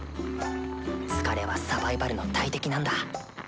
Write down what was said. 疲れはサバイバルの大敵なんだ。